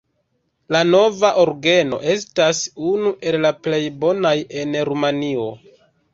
La nova orgeno estas unu el la plej bonaj en Rumanio.